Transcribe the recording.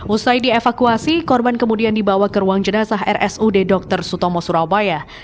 usai dievakuasi korban kemudian dibawa ke ruang jenazah rsud dr sutomo surabaya